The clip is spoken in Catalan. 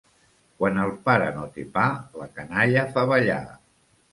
Quan el pare no té pa la canalla fa ballar.